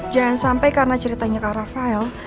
jangan sampai karena ceritanya ke rafael